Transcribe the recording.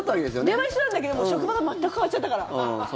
出は一緒なんだけども職場が全く変わっちゃったから。